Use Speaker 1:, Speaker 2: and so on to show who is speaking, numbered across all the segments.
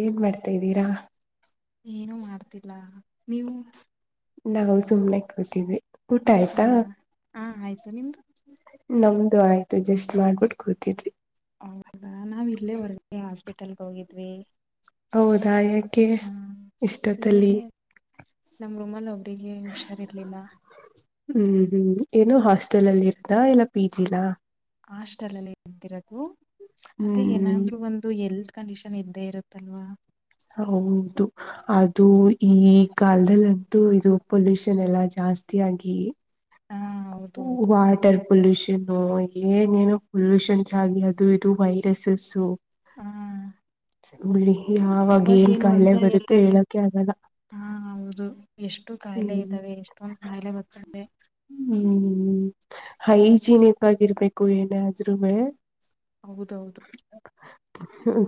Speaker 1: ಏನ್ ಮಾಡ್ತಾಇದಿರಾ
Speaker 2: ಏನು ಮಾಡ್ತಿಲ್ಲ ನೀವು
Speaker 1: ನಾವು ಸುಮ್ನೆ ಕೂತಿದ್ವಿ ಊಟ ಆಯ್ತಾ
Speaker 2: ಹೌದಾ ಹಾ ಆಯ್ತು ನಿಮ್ದು
Speaker 1: ನಮ್ದು ಆಯ್ತು ಜಸ್ಟ್ ಮಾಡ್ಬಿಟ್ಟು ಕೂತಿದ್ವಿ
Speaker 2: ಹೌದಾ ನಾವ್ ಇಲ್ಲೇ ಹೊರ್ಗಡೆ ಹಾಸ್ಪಿಟಲ್ಗೆ ಹೋಗಿದ್ವಿ
Speaker 1: ಹೌದಾ ಯಾಕೆ ಇಷ್ಟೊತಲ್ಲಿ
Speaker 2: ನಮ ರುಮಲ್ ಒಬ್ರಿಗೆ ಹುಷಾರಿರಲಿಲ್ಲ
Speaker 1: ಹಾಸ್ಟೆಲಲ್ಲಿದ್ದ ಇಲ್ಲ ಪಿ ಜಿ ಲಾ
Speaker 2: ಹಾಸ್ಟೆಲ್ ಅಲ್ಲಿ ಇದ್ದಿರೋದು ಅದೇ
Speaker 1: ಹ್ಮ್
Speaker 2: ಏನಾದ್ರೂ ಒಂದು ಎಲ್ ಕಂಡೀಷನ್ ಇದ್ದೇ ಇರುತ್ತಲ್ವಾ
Speaker 1: ಹೌದು ಅದು ಈ ಕಾಲದಲ್ಲಂತೂ ಇದು ಪೊಲ್ಯೂಷನ್ ಎಲ್ಲಾ ಜಾಸ್ತಿ ಜಾಸ್ತಿಯಾಗಿ
Speaker 2: ಹಾ ಹೌದೌದು
Speaker 1: ವಾಟರ್ ಪೊಲ್ಯೂಷನ್ ಏನ್ ಏನೋ ಪೊಲ್ಯೂಷನ್ಸ್ ಆಗಿ ಅದು ಇದು ವೈರಸಸ್ಸು
Speaker 2: ಹಾ
Speaker 1: ಬಿಡಿ ಯಾವಾಗ
Speaker 2: ಇವಾಗ
Speaker 1: ಏನ್
Speaker 2: ಏನು
Speaker 1: ಕಾಯಿಲೆ
Speaker 2: ಒಂದ ಎಲ್ಲ
Speaker 1: ಬರುತ್ತೆ ಹೇಳಕೆ ಆಗಲ್ಲ
Speaker 2: ಹಾ ಹೌದು ಎಷ್ಟು ಕಾಯಿಲೆ
Speaker 1: ಹ್ಮ್
Speaker 2: ಇದ್ದಾವೆ ಎಷ್ಟೊಂದ್ ಕಾಯಿಲೆ ಬರ್ತದೆ
Speaker 1: ಹ್ಮ್ ಹೈಜಿನಿಕ್ ಆಗಿರ್ಬೇಕು ಏನೇ ಆದ್ರುವೇ
Speaker 2: ಹೌದೌದು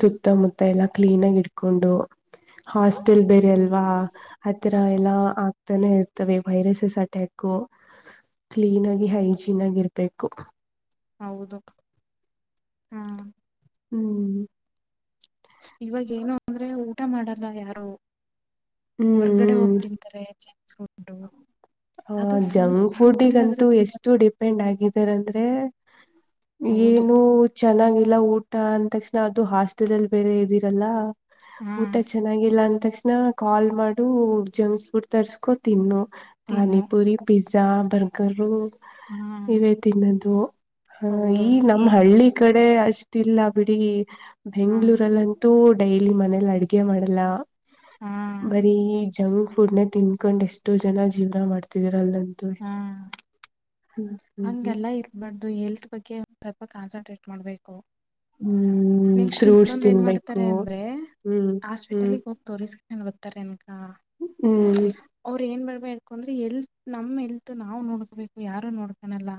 Speaker 1: ಸುತ್ತಮುತ್ತ ಎಲ್ಲಾ ಕ್ಲೀನ್ ಆಗಿ ಇಟ್ಕೊಂಡು ಹಾಸ್ಟೆಲ್ ಬೇರೆ ಅಲ್ವಾ ಆತರ ಎಲ್ಲಾ ಆಗ್ತಾನೆ ಇರ್ತವೆ ವೈರಸಸ್ ಅಟ್ಯಾಕು ಕ್ಲೀನ್ ಆಗಿ ಹೈಜೀನ್ ಆಗಿರ್ಬೇಕು
Speaker 2: ಹೌದು ಹಾ
Speaker 1: ಹ್ಮ್
Speaker 2: ಇವಾಗ ಏನು ಅಂದ್ರೆ ಊಟ ಮಾಡಲ್ಲ ಯಾರು
Speaker 1: ಹ್ಮ್
Speaker 2: ಹೊರ್ಗಡೆ
Speaker 1: ಹ್ಮ್
Speaker 2: ಹೋಗ್ ತಿಂತಾರೆ ಜಂಕ್ ಫುಡ್ಡು
Speaker 1: ಆ ಜಂಕ್ ಫುಡ್ಡಿಗಂತೂ
Speaker 2: ತಿನ್ನೋದು
Speaker 1: ಎಷ್ಟು ಡಿಪೆಂಡ್ ಆಗಿದಾರಂದ್ರೆ
Speaker 2: ಹೌದು
Speaker 1: ಏನು ಚೆನ್ನಾಗಿಲ್ಲ ಊ ಟ ಅಂದ ತಕ್ಷಣ ಅದು ಹಾಸ್ಟೆಲ್ ಅಲ್ಲಿ ಬೇರೆ ಇದಿರಲ್ಲ
Speaker 2: ಹಾ
Speaker 1: ಊಟ ಚೆನ್ನಾಗಿಲ್ಲ ಅಂತ್ ತಕ್ಷಣ ಕಾಲ್ ಮಾಡು ಜಂಕ್ ಫುಡ್ ತರ್ಸ್ಕೊ ತಿನ್ನು
Speaker 2: ತಿನ್ನು
Speaker 1: ಪಾನಿಪುರಿ ಪಿಜ್ ಜಾ ಬರ್ಗರು
Speaker 2: ಹಾ
Speaker 1: ಇವೇ ತಿನ್ನೋದು ಹ
Speaker 2: ಹೌದೌದು
Speaker 1: ಈಗ್ ನಮ್ಮ
Speaker 2: ಏ
Speaker 1: ಹಳ್ಳಿ ಕಡೆ ಅಷ್ಟಿಲ್ಲ ಬಿಡಿ
Speaker 2: ಹಾ
Speaker 1: ಬೆಂಗ್ಗಳೂರಲ್ಲಂತೂ ಡೈಲಿ ಮನೇಲಿ ಅಡ್ಗೆ ಮಾಡಲ್ಲ
Speaker 2: ಹಾ
Speaker 1: ಬರೀ ಜಂಕ್ ಫುಡ್ನೇ ತಿನ್ಕೊಂಡ್ ಎಷ್ಟೋ ಜನ ಜೀವನ ಮಾಡ್ತಿದರ ಅಲ್
Speaker 2: ಹಾ
Speaker 1: [unintelligible]
Speaker 2: ಹಂಗೆಲ್ಲ ಇರ್ಬಾರ್ದು ಹೆಲ್ತ್ ಬಗ್ಗೆ ಒಂದ್ ಸ್ವಲ್ಪ ಕಾನ್ಸಂಟ್ರೇಟ್ ಮಾಡ್ಬೇಕು
Speaker 1: ಹ್ಮ್
Speaker 2: ನೆಕ್ಸ್ಟ್
Speaker 1: ಫ್ರೂಟ್ಸ್
Speaker 2: ಇನ್ನೊಂದ್ ಏನ್ ಮಾಡ್ತಾರೆ
Speaker 1: ತಿನ್ಬೇಕು
Speaker 2: ಅಂದ್ರೆ
Speaker 1: ಹ್ಮ್ ಹ್ಮ್
Speaker 2: ಹಾಸ್ಪಿಟಲ್ಗ್ ಹೋಗಿ ತೋರಿಸಕೊಂಡ್ ಬತಾರೆ ಅನ್
Speaker 1: ಹ್ಮ್
Speaker 2: ಏಕಂದ್ರೆ ಹೆಲ್ತ್ ನಮ್ ಹೆಲ್ತ್ ನಾವು ನೋಡ್ಕಬೇಕು ಯಾರು ನೋಡ್ಕನಲ್ಲ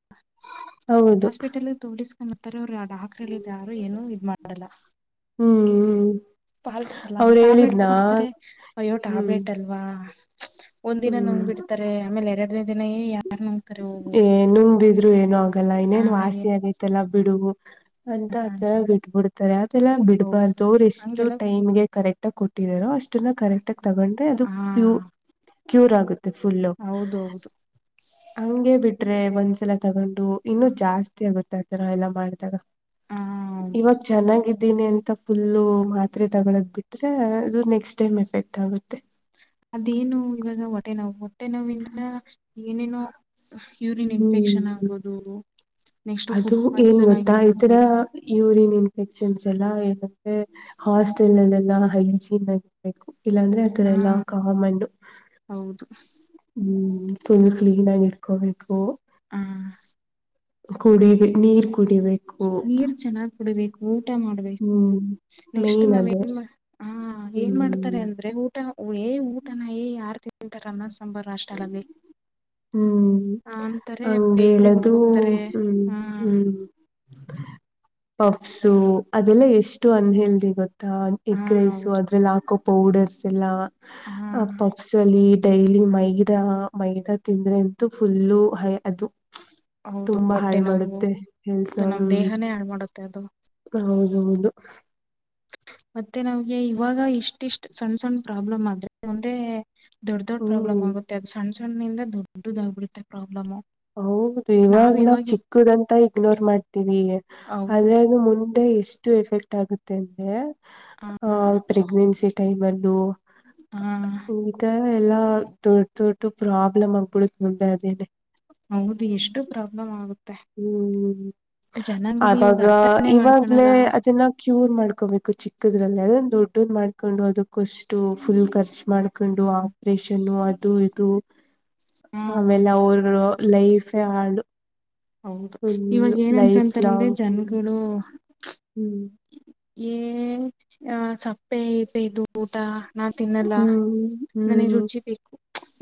Speaker 1: ಹೌದು
Speaker 2: ಹಾಸ್ಪಿಟಲಲ್ಲ್ ದುಡ್ಡ್ ಇಸ್ಕೊಂಬಿಡ್ತಾರೆ ಅವ್ರು ಆ ಡಾಕ್ಟರ್ ಹೇಳಿದ್ ಯಾರು ಏನು ಮಾಡಲ್ಲ
Speaker 1: ಹ್ಮ್ ಹ್ಮ್
Speaker 2: ಪಾಲ್ಸಲ್ಲ
Speaker 1: ಅವ್ರು
Speaker 2: ಟ್ಯಾಬ್ಲೆಟ್
Speaker 1: ಹೇಳಿದ್ನಾ
Speaker 2: ಕೊಡ್ತರೇ ಅಯ್ಯೋ
Speaker 1: ಹ್ಮ್
Speaker 2: ಟ್ಯಾಬ್ಲೆಟ್ ಅಲ್ವಾ ಒಂದ್ ದಿನ ನುಂಗ್
Speaker 1: ಹ್ಮ್
Speaker 2: ಬಿಡ್ತಾರೆ ಆಮೇಲೆ ಎರಡನೇ ದಿನೇ ಹೇ ಯಾರ್ ನುಂಗ್ತಾರೆ ಹೋಗು
Speaker 1: ಲ್ಲ
Speaker 2: ಆ
Speaker 1: ಇನ್ನೇನ್ ವಾಸಿ ಆಗೈತೆಲ್ಲ ಬಿಡು ಅಂತ ಅದ್ನೇಲ್ಲ ಬಿಟ್ಬಿಡ್ತಾರೆ ಅದ್ ಅದೆಲ್ಲ ಬಿಡ್ಬಾರ್ದು ಅವ್ರ್ ಎಷ್ಟು
Speaker 2: ಹಂಗೆಲ್ಲ
Speaker 1: ಟೈಮ್ಗೆ ಕರೆಕ್ಟಾಗ್ ಕೊಟ್ಟಿದ್ದಾರೋ ಅಷ್ಟನ್ನ ಕರೆಕ್ಟಾಗ್ ತಗೊಂಡ್ರೆ ಅದು
Speaker 2: ಹಾ
Speaker 1: ಪ್ಯೂರ್ ಕ್ಯೂರ್ ಆಗುತ್ತೆ ತ್ತೆ ಫುಲ್ಲು
Speaker 2: ಹೌದು ಹೌದು
Speaker 1: ಹಂಗೆ ಬಿಟ್ರೆ ಒಂದ್ಸಲ ತಗೊಂಡ್ ಇನ್ನು
Speaker 2: ಹ
Speaker 1: ಜಾಸ್ತಿ ಆಗುತ್ತ್ ಆತರ ಎಲ್ಲ ಮಾಡಿದಾಗ
Speaker 2: ಹೌದು
Speaker 1: ಇವಾಗ ಚೆನ್ನಾಗಿ ದಿನಿ ಅಂತ ಫುಲ್ಲು ಮಾತ್ರೆ ತಗಳದ್ ಬಿಟ್ರೆ ಅದು ನೆಕ್ಸ್ಟ್ ಟೈಮ್ ಎಫೆಕ್ಟ್ ಆಗುತ್ತೆ
Speaker 2: ಅದೇನು ಇವಾಗ ಹೊಟ್ಟೆ ನೋವು ಹೊಟ್ಟೆ ನೋವಿಂದ ಏನೇನೋ ಯೂರಿನ್ ಇನ್ಫೆಕ್ಷನ್
Speaker 1: ಹ್ಮ್
Speaker 2: ಆಗ್ಬೋದು ನೆಕ್ಸ್ಟ್
Speaker 1: ಅದು
Speaker 2: ಫುಡ್
Speaker 1: ಏನ್
Speaker 2: ಪಾಯ್ಸನ್
Speaker 1: ಗೊತ್ತಾ ಈ
Speaker 2: ಆಗಿರ್ಬೋದು
Speaker 1: ತರ ಯೂರಿನ್ ಇನ್ ಫೆಕ್ಷನ್ಸ್ ಎಲ್ಲ ಇರುತ್ತೆ ಹಾಸ್ಟೆಲ್ ನಲ್ಲೆಲ್ಲಾ ಹೈಜೀನ್ ಆಗಿರಬೇಕು ಇಲ್ಲಾಂದ್ರೆ ಆತರ
Speaker 2: ಹಾ
Speaker 1: ಎಲ್ಲ ಕಾಮಂಡು
Speaker 2: ಹೌದು
Speaker 1: ಹ್ಮ್ ಫುಲ್ ಕ್ಲೀನ್ ಆಗಿ ಇಟ್ಕೋಬೇಕು
Speaker 2: ಹ್ಮ್
Speaker 1: ಕುಡೀರಿ ನೀರ್ ಕುಡಿಬೇಕು
Speaker 2: ನೀರ್ ಚೆನ್ನಾಗ್ ಕುಡಿಬೇಕು ಊಟ ಮಾಡ್ಬೇಕು
Speaker 1: ಹ್ಮ್
Speaker 2: ನೆಕ್ಸ್ಟ್
Speaker 1: ಮೇನ್ ಅದೇ
Speaker 2: ನಾವೇನ್ ಮಾಡ್ ಹಾ ಹಾ ಏನ್ ಮಾಡ್ತಾರೆ
Speaker 1: ಹ್ಮ್
Speaker 2: ಅಂದ್ರೆ ಊಟ ಏ ಊಟನ ಯಾರ ತಿಂತಾರ ಅನ್ನ ಸಂಬರ್ ಹಾಸ್ಟೆಲ್ ಅಲ್ಲಿ.
Speaker 1: ಹ್ಮ್ ಹಂಗ
Speaker 2: ಬೇಕ್ರಿಗಳು
Speaker 1: ಹೇಳದು
Speaker 2: ಹೋಗ್ತಾರೆ
Speaker 1: ಹ್ಮ್ ಹ್ಮ್. ಪಪ್ಸು ಅದೆಲ್ಲ ಎಷ್ಟು ಅನ್ಹೆಲ್ತ್ತಿ ಗೊತ್ತು.
Speaker 2: ಹಾ
Speaker 1: ಎಗ್ ರೈಸು
Speaker 2: ಹೌದು
Speaker 1: ಅದ್ರಲ್ಲಿ ಹಾಕೋ ಪೌಡರ್ಸ್ ಎಲ್ಲ
Speaker 2: ಹಾ
Speaker 1: ಪಪ್ಸ್ ಅಲ್ಲಿ. ಡೈಲಿ ಮೈದಾ ಮೈದಾ ತಿಂದ್ರೆ ಅಂತೂ ಫುಲ್ಲು ಅದು.
Speaker 2: ಹೌದು
Speaker 1: ತುಂಬಾ
Speaker 2: ಹೊಟ್ಟೆ
Speaker 1: ಹಾಳ್
Speaker 2: ನೋವು
Speaker 1: ಮಾಡುತ್ತೆ ಹೇಳ್ಸ
Speaker 2: ಅದು ನಮ್
Speaker 1: ಹ್ಮ್.
Speaker 2: ದೇಹನೇ ಹಾಳ್ ಮಾಡುತ್ತೆ ಅದು
Speaker 1: ಹೌದೌದು.
Speaker 2: ಮತ್ತೆ ನಮ್ಗೆ ಇವಾಗ ಇಷ್ಟಿಷ್ಟ್ ಸಣ್ ಸಣ್ಣ್ ಪ್ರಾಬ್ಲಮ್ ಆಗುತ್ತೆ ಅಂದ್ರೆ. ದೊಡ್ ದೊಡ್ಡ ಪ್ರಾಬ್ಲಮ್
Speaker 1: ಹ್ಮ್
Speaker 2: ಆಗುತ್ತೆ ಅದು ಸಣ್ಣ ಸಣ್ಣ ನಿಂದ ದೊಡ್ಡದು ಆಗ್ಬಿಡುತ್ತೆ ಪ್ರಾಬ್ಲಮ್.
Speaker 1: ಹೌದು ಇವಾಗ ನಾವ್ ಚಿಕ್ಕದಂತ ಇಗ್ನೋರ್ ಮಾಡ್ತೀವಿ
Speaker 2: ಹೌದು
Speaker 1: ಆದ್ರೆ ಅದು ಮುಂದೆ ಎಷ್ಟು ಎಫೆಕ್ಟ್. ಗುತ್ತೆ ಅಂದ್ರೆ
Speaker 2: ಹ
Speaker 1: ಆ ಪ್ರೆಗ್ನೆನ್ಸಿ ಟೈಮ್ ಅಲ್ಲೂ.
Speaker 2: ಹ
Speaker 1: [unintelligible] ಎಲ್ಲಾ ದೊಡ್ ದೊಡ್ಡ ಪ್ರಾಬ್ಲಮ್ ಆಗ್ಬಿಡುತ್ತ ಮುಂದೆ ಅದೇನೆ.
Speaker 2: ಹೌದು ಎಷ್ಟು ಪ್ರಾಬ್ಲಮ್ ಆಗುತ್ತೆ.
Speaker 1: ಹ್ಮ್
Speaker 2: ಜನಗಳು ಇವಾಗ
Speaker 1: ಆಗಾಗ
Speaker 2: ಅರ್ಥಾನೇ
Speaker 1: ಇವಾಗ್ಲೇ
Speaker 2: ಮಾಡ್ಕಳಲ್ಲ
Speaker 1: ಅದನ್ನ ಕ್ಯೂರ್ ಮಾಡ್ಕೋಬೇಕು ಚಿಕ್ಕ ಇದಲ್ಲ ಅ ದೊಡ್ಡ್ ಮಾಡ್ಕೊಂಡು ಅದಕ್ಕಷ್ಟು ಫುಲ್ ಖರ್ಚು ಮಾಡ್ಕೊಂಡು ಆಪ್ರೇಷನ್ ಇದು ಇದು ಆಮೇಲೆ ಅವರು ಲೈಫೇ ಹಾಳು.
Speaker 2: ಹೌದು ಇವಾಗ
Speaker 1: ಫುಲ್ ಲೈಫ್
Speaker 2: ಏನಂತಂತಾರಂದ್ರೆ
Speaker 1: ಲಾಂಗ್
Speaker 2: ಜನ್ಗಳು.
Speaker 1: ಹ್ಮ್
Speaker 2: ಏ ಸಪ್ಪೆ ಇ [unintelligible] ನಾ ತಿನ್ನಲ್ಲ
Speaker 1: ಹ್ಮ್
Speaker 2: ನನಗೆ
Speaker 1: ಹ್ಮ್
Speaker 2: ರುಚಿ ಬೇಕು.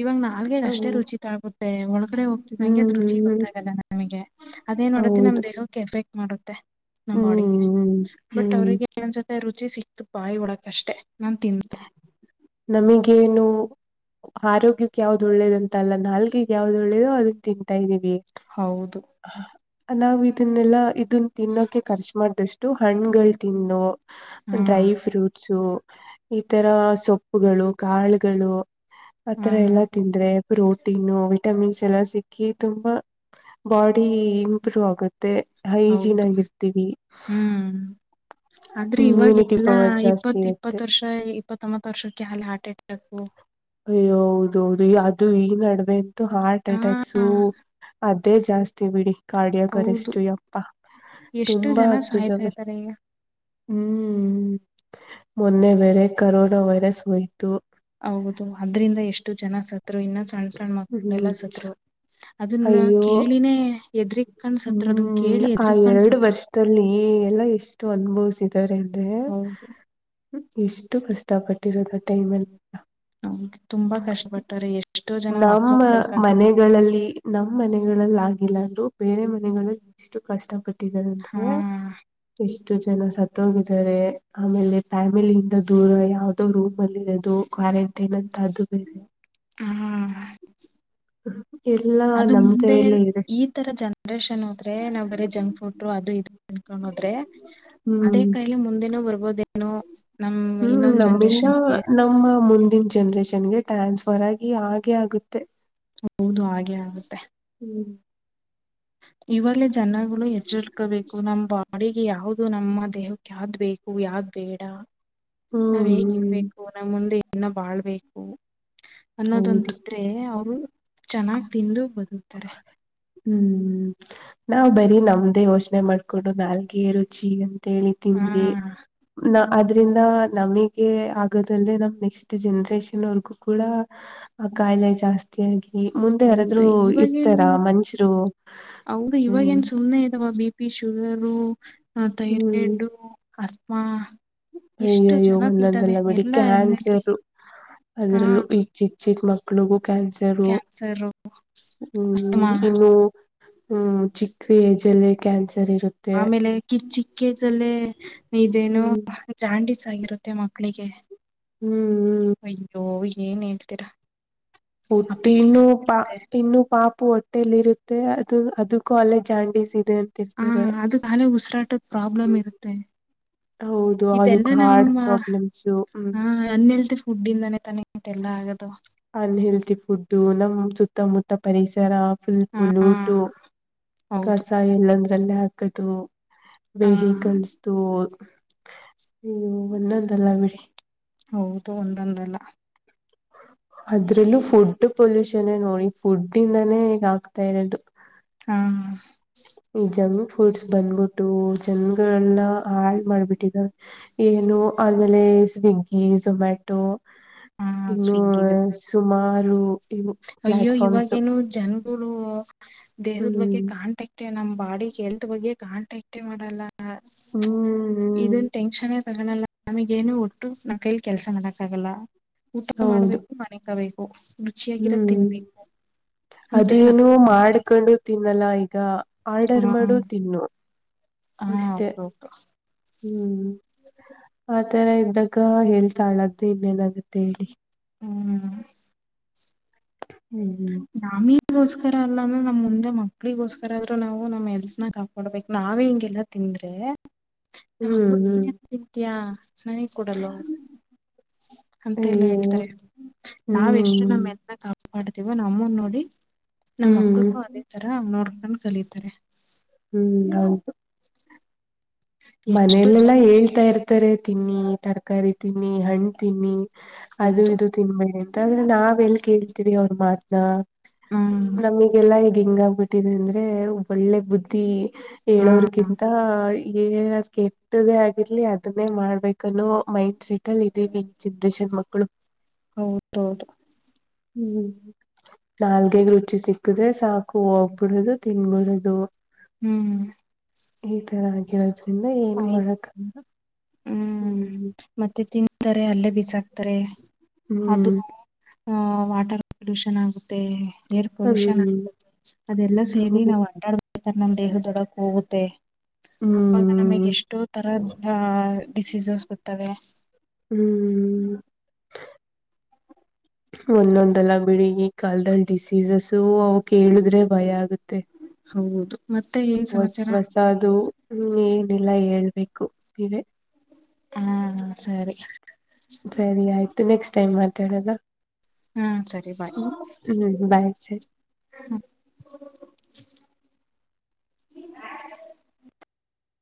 Speaker 2: ಇವಾಗ ನಾಲ್ಗಗ್ ಅಷ್ಟೇ
Speaker 1: ಹ್ಮ್ ಹ್ಮ್
Speaker 2: ರುಚಿ ತಾಗುತ್ತೆ ಒಳಗಡೆ ಹೋಗ್ತಿದ್ದಂಗೆ ಅದು ರುಚಿ
Speaker 1: ಹ್ಮ್
Speaker 2: ಗೊತ್ತಾಗಲ್ಲ ನನಗೆ ಅ. ಎನ್ ಮಾಡುತ್ತೆ ನಮ್
Speaker 1: ಹೌದು
Speaker 2: ದೇಹಕ್ಕೆ ಎಫೆಕ್ಟ್ ಮಾಡುತ್ತೆ ನಮ್ ಬಾಡಿಗೆ
Speaker 1: ಹ್ಮ್
Speaker 2: ಬಟ್
Speaker 1: ಹ್ಮ್
Speaker 2: ಅವ್ರರಿಗೆ ಪೂಜೆ ಸಿಕ್ತು ಬಾಯಿ ಹೊರಕ್ಕೆ ನಾನ್ ತಿಂದೆ.
Speaker 1: ಏನು ಆರೋಗ್ಯಕ್ಕೆ ಯಾವ್ದ ಒಳ್ಳೇದ ಅಂತ ಅಲ್ಲ ನಾಲ್ಗೆಗೆ ಯಾವ್ದ ಒಳ್ಳೇದು ಅದನ್ನ ತಿಂತಾ ಇದೀನಿ.
Speaker 2: ಹೌದು
Speaker 1: [inaudible] ನಾವವು ಇದನ್ನೆಲ್ಲಾ ಇದನ್ನ ತಿನ್ನೋಕೆ ಖರ್ಚು ಮಾಡ್ದಷ್ಟು ಹಣ್ಗಳು ತಿನ್ನು
Speaker 2: ಹಾ
Speaker 1: ಡ್ರೈ ಫ್ರೂಟ್ಸು. ಈ ತರ ಸೊಪ್ಪುಗಳು ಕಾಳುಗಳು.
Speaker 2: ಹಾ
Speaker 1: ಆತರ ಎಲ್ಲಾ ತಿಂದ್ರೆ ಪ್ರೊಟೀನು ವಿಟಮಿನ್ಸ್ ಎಲ್ಲ ಸಿಕ್ಕಿ ತುಂಬಾ ಬಾಡಿ ಇಂಪ್ರೂವ್ ಆಗುತ್ತೆ. ಮತ್ತೆ
Speaker 2: ಹೌದು
Speaker 1: ಹೈಜಿನಾಗಿರ್ತೀವಿ.
Speaker 2: ಹ್ಮ್ ಆದ್ರೆ ಇವಾಗ
Speaker 1: ಇಮ್ಯುನಿಟಿ ಪವರ್ ಜಾಸ್ತಿ ಇರುತ್ತೆ.
Speaker 2: ಇಪ್ಪತ್ತೊಂಬತ್ತು ವರ್ಷಕ್ಕೆ ಆಗಲೇ ಹಾರ್ಟ್ ಅಟ್ಯಾಕು.
Speaker 1: ಅಯ್ಯ ಹೌದೌದು ಅದು ಈ ನಡುವೆ ಅಂತು ಹಾರ್ಟ್
Speaker 2: ಹಾ
Speaker 1: ಅಟ್ಯಾಕ್ಸು ಅ. ಅದೇ ಜಾಸ್ತಿ ಬಿಡಿ
Speaker 2: ಹೌದು
Speaker 1: ಕಾಡ್ಯಕರೆಷ್ಟು ಯಪ್ಪ
Speaker 2: ಎಷ್ಟು
Speaker 1: ತುಂಬಾ
Speaker 2: ಜನ ಸಾಯ್ತಾ
Speaker 1: ಆಗ್ತಿದವೆ.
Speaker 2: ಇದ್ದಾರೆ ಈಗ
Speaker 1: ಹ್ಮ್ ಮೊನ್ನೆ ಬೇರೆ ಕರೋನಾ ವೈರಸ್ ಹೋಯ್ತು.
Speaker 2: ಹೌದು ಅದ್ರಿಂದ ಎಷ್ಟು ಜನ ಸತ್ರು ಇನ್ನ ಸಣ್ಣ ಸಣ್ಣ ಮಕ್ಕಳಳೆಲ್ಲ
Speaker 1: ಹ್ಮ್
Speaker 2: ಸತ್ರು. ಅದನ್ನ
Speaker 1: ಅಯ್ಯೋ
Speaker 2: ಕೇಳಿನೇ ಹೆದರಿಕೊಂಡ ಕಣಸತ್ರು ಅದನ್ನ
Speaker 1: ಹ್ಮ್
Speaker 2: ಕೇಳಿ
Speaker 1: ಆ
Speaker 2: ಹೆದರಿಕೊಂಡು
Speaker 1: ಎರಡು
Speaker 2: ಸತ್ರು.
Speaker 1: ವರ್ಷದಲ್ಲಿ ಎಷ್ಟು ಅನುಭವಿಸಿದಿದ್ದಾರೆ ಅಂದ್ರೆ.
Speaker 2: ಹೌದು
Speaker 1: ಎಷ್ಟು ಕಷ್ಟ ಪಟ್ಟಿರೋದು ಟೈಮ್ ಅಲ್ಲಿ.
Speaker 2: ಹೂ ತುಂಬಾ ಕಷ್ಟಪಟ್ಟಾರೆ ಎಷ್ಟೋ ಜನ
Speaker 1: ನಮ್ಮ
Speaker 2: ಮಕ್ಳಗ್ ಕಲ್ಕಂಡ್ರು.
Speaker 1: ಮನೆಗಳಲ್ಲಿ ನಮ್ಮ್ ಮನೆಗಳಲ್ಲಿ ಆಗಿಲ್ಲ ಅಂದ್ರೂ ಬೇರೆ ಮನೆಗಳು ಎಷ್ಟು ಕಷ್ಟಟ್ಟ
Speaker 2: ಹಾ
Speaker 1: [unintelligible] [unintelligible] ಜನ ಸತ್ತೋಗಿದ್ದಾರೆ ಆಮೇಲೆ ಫ್ಯಾಮಿಲಿಯಿಂದ ದೂರ ಯಾವ್ದೋ ರೂಮ್ ಅಲ್ಲಿ ಇರೋದು. [unintelligible] ಅದು ಬೇರೆ.
Speaker 2: ಹಾ
Speaker 1: [unintelligible]
Speaker 2: ಅದು
Speaker 1: ನಮ್
Speaker 2: ಮುಂದೆ
Speaker 1: ಕೈಯಲ್ಲೇ ಇದೆ
Speaker 2: ಈ ತರ ಜನರೇಷನ್ ಹೋದ್ರೆ ನಾವ್ ಬರೀ ಜಂಕ್ ಫುಡ್ ಅದು ಇದು ಅಕೊಂಡ ಆದ್ರೆ ಅದೇ
Speaker 1: ಹ್ಮ್
Speaker 2: ಕೈಲಿ ಮುಂದಿನೂ ಬರ್ಬೋದೇನೋ ನಮ್
Speaker 1: ಹ್ಮ್
Speaker 2: ಇನ್ನೊಂದ್
Speaker 1: ನಮ್ಮಿಂದ
Speaker 2: ಜನ್ರೇಷನ್ಗೆ
Speaker 1: ನಮ್ಮ ಮುಂದಿನ ಜನ್ರೇಷನ್ಗೆ ಟ್ರಾನ್ಸ್ಫರ್ ಆಗಿ ಹಾಗೆ ಆಗುತ್ತೆ
Speaker 2: ಹೌದು ಹಾಗೆ ಆಗುತ್ತೆ
Speaker 1: ಹ್ಮ್
Speaker 2: ಇವಲ್ಲಿ ಜನಗಳು ಎಚ್ಚಳ್ಕೋಬೇಕು ನಮ್ಮ್ ಬಾಡಿಗೆ ಯಾವ್ದ ನಮ್ಮ ದೇಹಕ್ಕೆ ಯಾವ್ ಬೇಕು ಹೂ ಯಾವಾಗ ಬೇಡ ನಾವ್
Speaker 1: ಹ್ಮ್ ಹ್ಮ್
Speaker 2: ಹೇಗಿರ್ಬೇಕು ನಮ್ಮ ಮುಂದೆ ಇನ್ನ ಬಾಳ್ಬೇಕು
Speaker 1: ಹೌದು
Speaker 2: ಅನ್ನೋದೊಂದಿದ್ರೆ ಅವರು ಚೆನ್ನಾಗ್ ತಿಂದು ಬದುಕ್ತಾರೆ
Speaker 1: ಹ್ಮ್ ನಾವ್ ಬರೀ ನಮ್ದೇ ಯೋಚನೆ ಮಾಡ್ಕೊಂಡು ನಾಲ್ಗೆ ರುಚಿ ಅಂತ ತೇಳಿ
Speaker 2: ಹಾ
Speaker 1: ತಿಂದ್ರಿ ನಾ ಆದ್ರಿಂದ ನಮಗೆ ಆಗೋದಲ್ಲೇ ನಮ ನೆಕ್ಸ್ಟ್ ಜನ್ರೇಷನ್ವರ್ಗೂ ಕೂಡ ಆ ಕಾಯಿಲೆ ಜಾಸ್ತಿಯಾಗಿ ಮುಂದೆ
Speaker 2: ಹೌದು
Speaker 1: ಯಾರಾದ್ರು
Speaker 2: ಇವಾಗೇನು
Speaker 1: ಇರ್ತಾರಾ ಮಂಷರು
Speaker 2: ಹೌದು ಇವಾಗ ಏನ್ ಸುಮ್ಮನೆ ಇದಾವ ಬಿ ಪಿ ಶುಗರ್
Speaker 1: ಹ್ಮ್
Speaker 2: ತೈರಡು ಹಸ್ಮಾ
Speaker 1: ಅಯ್ಯಯ್ಯೋ ಒಂದ್ದಲ್ಲ ಬಿಡಿ
Speaker 2: ಎಲ್ಲಾ ಎನ್ಲ್ತಿ
Speaker 1: ಕ್ಯಾನ್ಸರು
Speaker 2: ಹಾ
Speaker 1: ಅದ್ರಲ್ಲೂ ಈಗ್ ಚಿಕ್ ಚಿಕ್ ಮಕ್ಳ ಗಾಜರು
Speaker 2: ಕ್ಯಾನ್ಸರ್ ಅಮ್ಮ
Speaker 1: ಹ್ಮ್ ಇನ್ನು ಹ್ಮ್ ಚಿಕ್ವಿಜಲೆ ಕನ್ಸ
Speaker 2: ಆಮೇಲೆ ಕಿರ್ಚಿಕ್ಕೆಜಲ್ಲ ಇದೇನು
Speaker 1: ಹ್ಮ್
Speaker 2: ಜಾಂಡೀಸ್ ಆಗಿರುತ್ತೆ ಮಕ್ಕಳಿಗೆ
Speaker 1: ಹ್ಮ್ ಹ್ಮ್
Speaker 2: ಅಯ್ಯೋ ಏನ್ ಹೇಳ್ತೀರಾ
Speaker 1: ಹಟನ್ನುೂ
Speaker 2: ಅಪೆಟಿಕ್ಸ್
Speaker 1: ಪಾ
Speaker 2: ಇರುತ್ತೆ
Speaker 1: ಇನ್ನುೂ ಪಾಪ ಹೊಟ್ಟಲಿ ಇರುತ್ತೆ ಅದು ಅದು ಕಾಲೇಜ್ ಆಂಡಿಸ
Speaker 2: ಹಾ ಅದು ಅಲೇ ಉಸಿರಾಟದ ಪ್ರಾಬ್ಲಮ್ ಇರುತ್ತೆ
Speaker 1: ಹೌದು
Speaker 2: ಇದೆಲ್ಲ
Speaker 1: ಅದಕ್ ಹಾರ್ಟ್
Speaker 2: ನಮ್ಮ್
Speaker 1: ಪ್ರಾಬ್ಲಮ್ಸು ಹ್ಮ್
Speaker 2: ಹ ಹನ್ನೆಲ್ತೆ ಫುಡ್ ಇಂದಾನೆ ತಾನೇ ಇದೆಲ್ಲಾ ಆಗದು
Speaker 1: ಅನ್ಹೆಲ್ತಿ ಫುಡ್ಡು ನಮ ಸುತ್ತ ಮುತ್ತ ಪರಿಸರ
Speaker 2: ಹಾ
Speaker 1: ಸುಲ್ಪು ಲೂಟು
Speaker 2: ಹೌದು
Speaker 1: ಕಸಾಯ ಎಲ್ಲೊಂದ್ರಲ್ಲ ಹಾಕದು
Speaker 2: ಹ
Speaker 1: ವೇಹಿಕಲ್ಸ್ ನೀವು ಒಂದೊಂದಲ್ಲ ಬಿಡಿ
Speaker 2: ಹೌದು ಒಂದೊಂದಲ್ಲ
Speaker 1: ಅದ್ರಲ್ಲೂ ಫುಡ್ ಪೊಲ್ಯೂಷನ್ ನೋಡಿ ಫುಡ್ ಇಂದಾನೇ ಹೇಗ ಆಗ್ತಾ ಇರೋದು
Speaker 2: ಹಾ
Speaker 1: ಈ ಜಂಕ್ ಫುಡ್ಸ್ ಬಂದ್ಬಿಟ್ಟು ಜನ್ಗಳನ್ನ ಹಾಳ್ ಮಾಡ್ಬಿಟ್ಟಿದ ಏನು ಆಮೇಲೆ ಸ್ವಿಗ್ಗಿ ಝೊಮ್ಯಾಟೊ
Speaker 2: ಹಾ
Speaker 1: ಇನ್ನು
Speaker 2: ಸ್ವಿಗ್ಗಿದು
Speaker 1: ಸುಮಾರು ಇವು
Speaker 2: ಅಯ್ಯೋ
Speaker 1: ಪ್ಲಾಟ್ಫಾರ್ಮ್ಸ್
Speaker 2: ಇವಾಗೇನು ಜನ್ಗಳು ದೇಹದ
Speaker 1: ಹ್ಮ್
Speaker 2: ಬಗ್ಗೆ ಕಾಣಂಟಾಕ್ಟ್ ನಮ್ ಬಾಡಿ ಎಲ್ತ್ ಬಗ್ಗೆ ಕಾಂಟಾಕ್ ಮಾಡಲ್ಲ
Speaker 1: ಹ್ಮ್
Speaker 2: ಇದನ್ ಟೆನ್ನ್ ತೆಲ್ಲ ನಮಗೇಏನು ಒಟ್ಟು ನಮ್ಮ ಕೈಲಿ ಕೆಲಸ ಮಾಡಕ್ಕ ಆಗಲ್ಲ ಊಟ
Speaker 1: ಹೌದು
Speaker 2: ಮಾಡ್ಬೇಕು ಮನೆ ಕಬೇಕು ಓ ರುಚಿಯಾಗಿರತ್ತೆ
Speaker 1: ಹ್ಮ್ ಅದು ಏನು ಮಾಡ್ಕೊಂಡು ತಿನ್ನಲ್ಲ ಈಗ
Speaker 2: ಹಾ
Speaker 1: ಆರ್ಡರ್ ಮಾಡು ತಿನ್ನು
Speaker 2: ಹಾ
Speaker 1: ಅಷ್ಟೇ
Speaker 2: ಹೌದೌದು
Speaker 1: ಹ್ಮ್ ಆ ತರ ಇದ್ದಾಗ ಹೇಳ್ತಾಳದ್ದು ಇನ್ನೇನಾಗತ್ತ ಹೇಳಿ
Speaker 2: ಹ್ಮ್
Speaker 1: ಹ್ಮ್ ಹ್ಮ್
Speaker 2: ಗೋಸ್ಕರ ಅಲ್ಲ ಅಂದ್ರ ನಮ್ ಮುಂದೆ ಮಕ್ಳಿಗೋಸ್ಕರ ಆದ್ರೂ ನಾವು ನಮ್ಮ್ ಎಲ್ತ್ನ ಕಾಕೊಡ್ಬೇಕು ನಾವೇ ಹಿಂಗೆಲ್ಲಾ ತಿವಿ ಅಂದ್ರೆ ನ
Speaker 1: ಹ್ಮ್ ಹ್ಮ್
Speaker 2: ಮಕ್ಕಳು ತಯ ಸ್ನಹ ಕೊಡಲ್ವಾ ಅಂತೆ ಎಲ್ಲ
Speaker 1: ಅಯ್ಯೋ
Speaker 2: ಹೇಳ್ತಾರೆ ನಾವ್ ಎಷ್ಟು
Speaker 1: ಹ್ಮ್
Speaker 2: ನೆಲ್ಲ ಮಾಡತೀವ ನಮ್ಮನ್ ನೋಡಿ ನಮ್ಮ
Speaker 1: ಹ್ಮ್
Speaker 2: ಮಕ್ಳಗೂ ಅದೇ ತರ ನೋಡ್ಕೊಂಡು ಕಲೀತಾರೆ
Speaker 1: ಹ್ಮ್ ಹೌದು
Speaker 2: ಎಷ್ಟು
Speaker 1: ಮನೇಲೆಲ್ಲಾ
Speaker 2: ಜನ
Speaker 1: ಹೇಳ್ತಾ ಇರ್ತಾರೆ ತಿನ್ನಿ ತರಕಾರಿ ತಿನ್ನಿ ಹಣ್ಣ್ ತಿನ್ನಿ ಅದು
Speaker 2: ಹೌದು
Speaker 1: ಇದು ತಿನ್ಬೇಡಿ ಅಂತ ಆದ್ರೆ ನಾವ್ ಎಲ್ ಕೇಳ್ತೀವಿ ಅವ್ರ ಮಾತ್ನಾ.
Speaker 2: ಹ್ಮ್
Speaker 1: ನಮಗೆಲ್ಲಾ ಈಗ್ ಹಿಂಗ ಆಾಗಬಿಟ್ಟಿದೆ ಅಂದ್ರೆ ಒ ಒಳ್ಳೆ ಬುದ್ಧಿ.
Speaker 2: ಹಾ
Speaker 1: ಹೇಳೋರ್ಗಿಂತ. ಏ ಅ್ ಕೆಟ್ಟದೇ ಆಗಿರ್ಲಿ ಅದನ್ನೇ ಮಾಡ್ಬೇಕನ್ನೋ ಮೈಂಡ್ ಸೆಟ್. ಮಲ್ಲ ಇದೆೇ ಜನ್ರಷನ್ ಮಕ್ಕಳು [unintelligible]
Speaker 2: ಹೌದೌದು
Speaker 1: ಹ್ಮ್ ನಾಲ್ಗೆಗ್ ರುಚಿ ಸಿಕ್ಕುದ್ರೆ ಸಾಕು ಹೋಗ್ಬಿಡದು ತಿನ್ಬಿಡದು.
Speaker 2: ಹ್ಮ್.
Speaker 1: ಈ ತರ ಆಗಿರೋದ್ರಿಂದ ಏನು
Speaker 2: ಆಯ್ತು
Speaker 1: ಮಾಡಕ ಹ್ಮ್.
Speaker 2: ಮತ್ತೆ ಅಲ್ಲೇ ಬೀಸ್ ಹಾಕ್ತಾರೆ ಅದು
Speaker 1: ಹ್ಮ್
Speaker 2: ಆಹ ವಾಟರ್ ಪೊಲ್ಯೂಷನ್ ಆಗುತ್ತೆ. Air pollution.
Speaker 1: ಹ್ಮ್
Speaker 2: ಅದೆಲ್ಲ ಸೇರಿ
Speaker 1: ಹೌದು
Speaker 2: ನಾವ್ ಅಂಟಾಡ್ಬೇಕತಾರೆ ನಮ್ ದೇಹ ದೊಡ್ಡಕ್ ಹೋಗುತ್ತೆ. ಆವಾಗ
Speaker 1: ಹ್ಮ್
Speaker 2: ನಮಗೆ ಎಷ್ಟೋ ತರದ ಡಿಸೀಸಸ್ ಬರ್ತವೆ.
Speaker 1: ಹ್ಮ್ ಹ್ಮ್ [unintelligible] ಒಂದೊಂದೆಲ್ಲ ಬಿಳಗಿ. ಕಲ್ದಲ್ಲಿ ಡಿಸೀಸಸು ಅವಕ್ ಹೇಳೇಳಿದ್ರೆ ಭಯ ಆಗುತ್ತೆ.
Speaker 2: ಹೌದು. ಮತ್ತೆ ಏನ್
Speaker 1: ಹೊಸ
Speaker 2: ಸಮಾಚಾರ
Speaker 1: ಹೊಸದು ಏನೆಲ್ಲಾ ಹೇಳ್ಬೇಕು ನೀವೇ.
Speaker 2: ಹಾ ಸರಿ.
Speaker 1: ಸರಿ ಆಯ್ತು ನೆಕ್ಸ್ಟ್ ಟೈಮ್ ಮಾತಾಡೋದು.
Speaker 2: ಹಾ ಸರಿ ಬಾಯ್
Speaker 1: ಬಳ [unintelligible]
Speaker 2: [inaudible] [unintelligible]